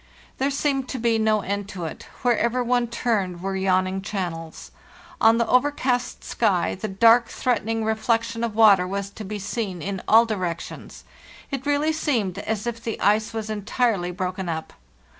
"There seemed to be no end to it; wherever one turned were yawning channels. On the overcast sky the dark, threatening reflection of water was to be seen in all directions. It really seemed as if the ice was entirely broken up.